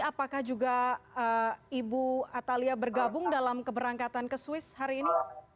apakah juga ibu atalia bergabung dalam keberangkatan ke swiss hari ini